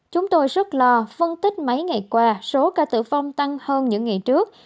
chúng tôi rất lo phân tích mấy ngày qua số ca tử vong tăng hơn những ngày trước